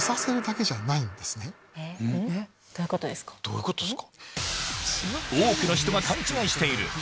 どういうことですか？